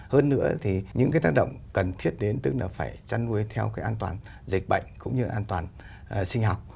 hơn nữa thì những cái tác động cần thiết đến tức là phải chăn nuôi theo cái an toàn dịch bệnh cũng như an toàn sinh học